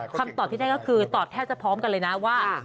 คำตอบที่ได้ก็คือตอบแทบจะพร้อมกันเลยนะว่า